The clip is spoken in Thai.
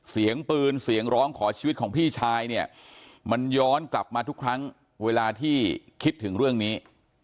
เสียงปืนเสียงร้องขอชีวิตของพี่ชายเนี่ยมันย้อนกลับมาทุกครั้งเวลาที่คิดถึงเรื่องนี้